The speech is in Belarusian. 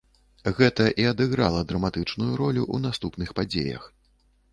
Гэта і адыграла драматычную ролю ў наступных падзеях.